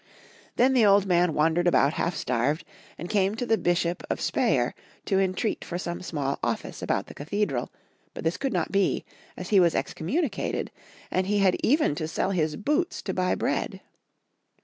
Then the old man wandered about half starved, and came to the Bishop of Spe yer to entreat for some small office about the cathedral, but this could not be, as he was excom municated, and he had even to sell his boots to buy bread